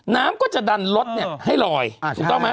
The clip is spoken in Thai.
น้ำก็จะดันรถให้ลอยถูกต้องไหม